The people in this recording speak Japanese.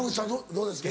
どうですか？